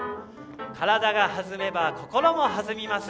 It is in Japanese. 体が弾めば心も弾みます。